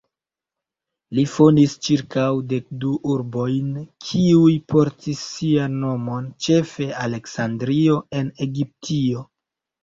Li fondis ĉirkaŭ dekdu urbojn kiuj portis sian nomon, ĉefe Aleksandrio en Egiptio.